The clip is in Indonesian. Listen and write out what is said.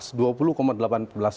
sudah cukup pas